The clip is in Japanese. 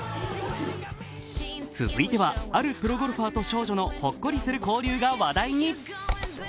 続いては、あるプロゴルファーと少女のほっこりする交流が話題に。